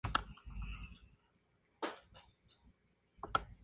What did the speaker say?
Sus padres fueron Enrique Rojas y Marta Cecilia Cruz.